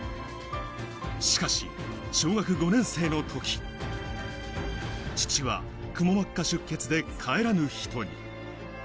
しかし小学５年生のとき、父はくも膜下出血で帰らぬ人に。